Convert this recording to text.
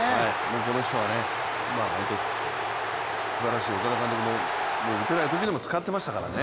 この人は、本当、すばらしい岡田監督も打てないときにも使ってましたからね。